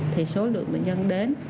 thì số lượng bệnh nhân đến